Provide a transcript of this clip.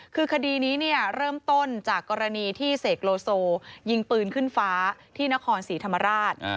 คือคดีนี้เริ่มต้นจากกรณีที่เสกโลโซยิงปืนขึ้นฟ้าที่นครศรีธรรมราช